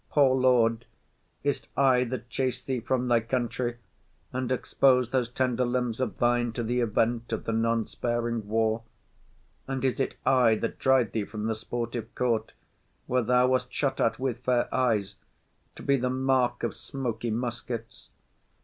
Poor lord, is't I That chase thee from thy country, and expose Those tender limbs of thine to the event Of the none sparing war? And is it I That drive thee from the sportive court, where thou Wast shot at with fair eyes, to be the mark Of smoky muskets?